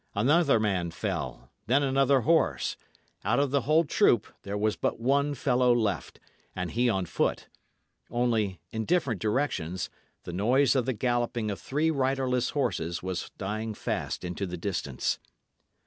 Another man fell; then another horse; out of the whole troop there was but one fellow left, and he on foot; only, in different directions, the noise of the galloping of three riderless horses was dying fast into the distance.